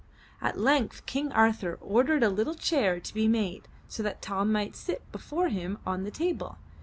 At length King Arthur ordered a little chair to be made, so that Tom might sit before him on the table.